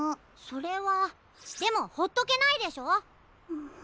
それはでもほっとけないでしょ！